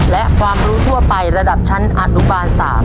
และความรู้ทั่วไประดับชั้นอนุบาล๓